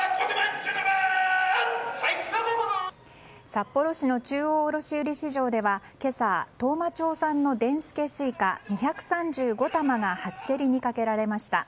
札幌市の中央卸売市場では今朝、当麻町産のでんすけスイカ２３５玉が初競りにかけられました。